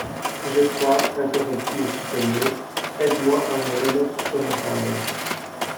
J'ai froid, interrompit le chiffonnier, aide-moi à me remettre sur ma paille.